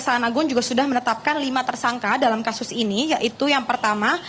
kejaksaan agung juga sudah menetapkan lima tersangka dalam kasus ini yaitu yang pertama